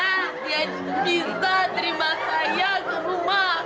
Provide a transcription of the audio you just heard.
seandainya dia bisa terima saya ke rumah